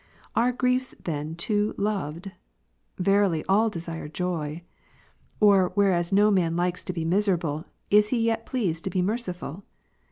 3. Are griefs then too loved? Verily all desire joy. Or whereas no man likes to be miserable, is he yet pleased to be merciful